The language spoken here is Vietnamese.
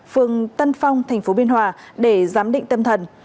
phương tân phong thành phố biên hòa để giám định tâm thần